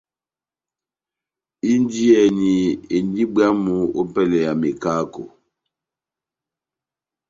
Indiyɛni indi bwámu ópɛlɛ ya mekako.